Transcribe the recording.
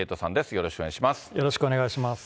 よろしくお願いします。